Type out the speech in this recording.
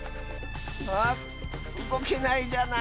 あっうごけないじゃない。